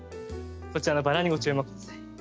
こちらのバラにご注目下さい。